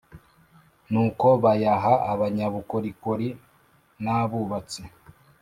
Nuko bayaha abanyabukorikori n abubatsi